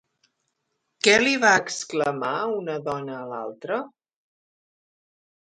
Què li va exclamar una dona a l'altra?